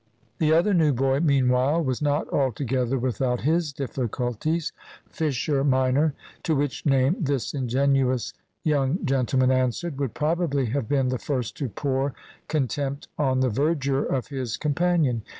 The other new boy, meanwhile, was not altogether without his difficulties. Fisher minor, to which name this ingenuous young gentleman answered, would probably have been the first to pour contempt on the verdure of his companion.